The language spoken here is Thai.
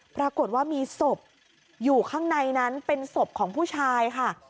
ปรากฏว่ามีศพอยู่ข้างในนั้นเป็นศพของผู้ชายค่ะ